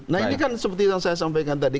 nah ini kan seperti yang saya sampaikan tadi